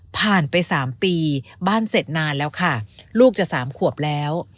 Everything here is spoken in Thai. ผ่านไป๓ปีบ้านเสร็จนานแล้วค่ะลูกจะ๓ขวบแล้ว